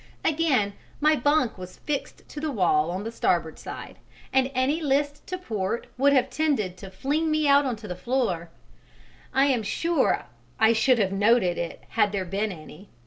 Again, my bunk was fixed to the wall on the starboard side, and any list to port would have tended to fling me out on the floor: I am sure I should have noted it had there been any.